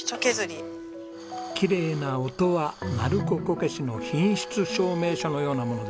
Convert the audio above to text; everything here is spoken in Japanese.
きれいな音は鳴子こけしの品質証明書のようなものですからね。